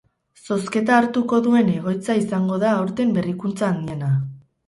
Zozketa hartuko duen egoitza izango da aurten berrikuntza handiena.